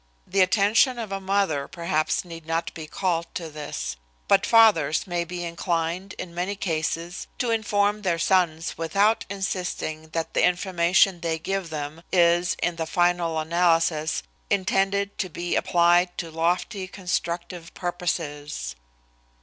The attention of a mother, perhaps, need not be called to this. But fathers may be inclined, in many cases, to inform their sons without insisting that the information they give them is, in the final analysis, intended to be applied to lofty constructive purposes.